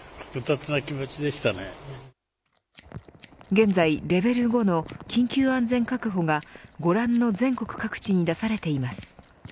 現在、レベル５の緊急安全確保がご覧の全国各地に出されています。